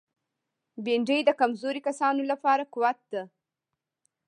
بېنډۍ د کمزوري کسانو لپاره قوت ده